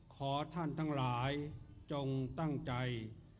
ขอท่านทั้งหลายจงตั้งใจ